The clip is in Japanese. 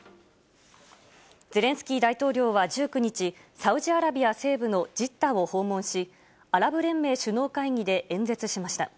ゼレンスキー大統領は１９日サウジアラビア西部のジッダを訪問しアラブ連盟首脳会議で演説しました。